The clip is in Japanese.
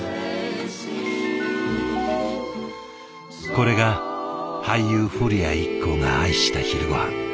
これが俳優古谷一行が愛した昼ごはん。